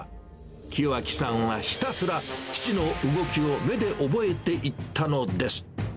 清照さんはひたすら、父の動きを目で覚えていったのです。